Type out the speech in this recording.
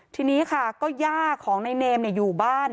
ทีนี้ค่ะก็ย่าของในเนมเนี่ยอยู่บ้าน